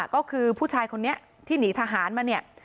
ก็คือผู้ชายคนนี้ที่หนีทหารมาเนี่ย